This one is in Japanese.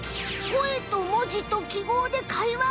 声と文字と記号で会話？